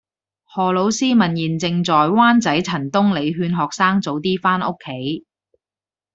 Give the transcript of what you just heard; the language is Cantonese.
何老師問現正在灣仔陳東里勸學生早啲返屋企